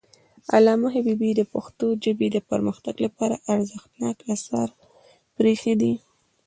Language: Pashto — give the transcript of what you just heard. علامه حبيبي د پښتو ژبې د پرمختګ لپاره ارزښتناک آثار پریښي دي.